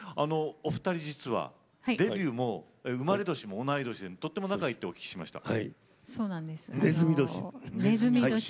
お二人、実はデビューも生まれ年も同い年でとても仲がいいとお聞きしました。